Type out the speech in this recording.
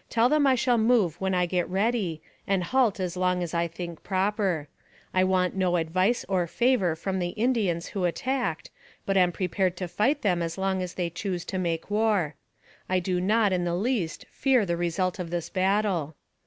" Tell them I shall move when I get ready, and halt as long as I think proper. I want no advice or favor from the Indians who attacked, but am prepared to fight them as long as they choose to make war. I do not, in the least, fear the result of this battle.